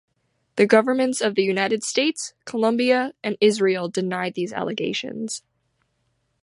The governments of the United States, Colombia, and Israel denied these allegations.